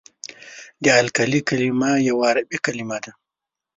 د القلي کلمه یوه عربي کلمه ده.